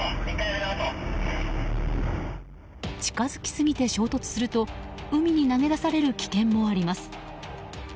近づきすぎて衝突すると海に投げ出される危険もあります。